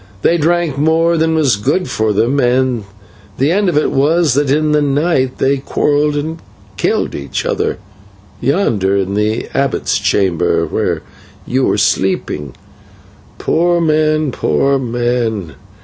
They drank more than was good for them, and the end of it was that in the night they quarrelled and killed each other, yonder in the abbot's chamber, where you are sleeping poor men, poor men!